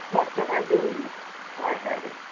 "Vat can I do?" I had it.